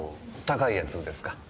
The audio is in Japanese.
高いやつですか？